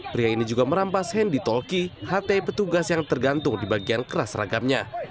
pria ini juga merampas handy tolki htai petugas yang tergantung di bagian keras ragamnya